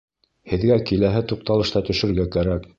Һеҙгә киләһе туҡталышта төшөргә кәрәк